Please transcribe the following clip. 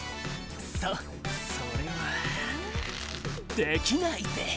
そそれはできないぜぇ。